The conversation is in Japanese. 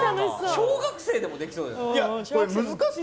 小学生でもできそうじゃない。